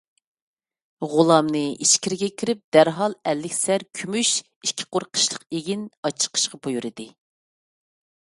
غۇلامنى ئىچكىرىگە كىرىپ دەرھال ئەللىك سەر كۈمۈش، ئىككى قۇر قىشلىق ئېگىن ئاچىقىشقا بۇيرۇدى.